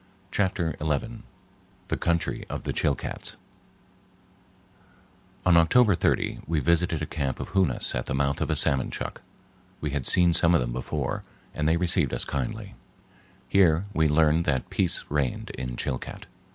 Chapter XI The Country of the Chilcats On October 30 we visited a camp of Hoonas at the mouth of a salmon chuck. We had seen some of them before, and they received us kindly. Here we learned that peace reigned in Chilcat.